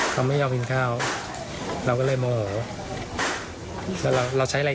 กรรมครัฐเสริม